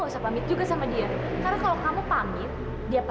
sampai jumpa di video selanjutnya